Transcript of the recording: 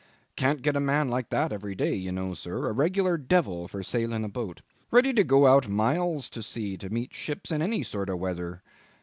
Can't get a man like that every day, you know, sir; a regular devil for sailing a boat; ready to go out miles to sea to meet ships in any sort of weather.